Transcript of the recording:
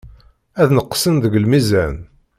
Ad neqsen deg lmizan.